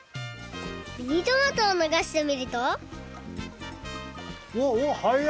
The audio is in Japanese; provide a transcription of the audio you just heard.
ミニトマトをながしてみるとおおおおはや！